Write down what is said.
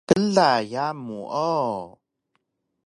Kla yamu o!